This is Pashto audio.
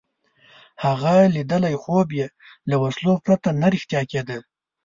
هغه لیدلی خوب یې له وسلو پرته نه رښتیا کېده.